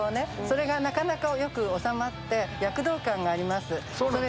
それがなかなかよく収まって躍動感があります。